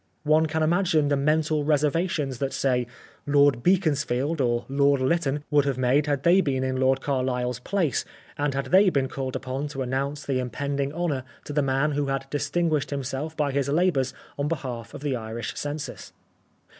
One can imagine the mental reservations that say Lord Beaconsfield or Lord Lytton would have made had they been in Lord Carhsle' s place and had they been called upon to announce the impending honour to the man who had distinguished himself by his labours on behalf of the Irish Census.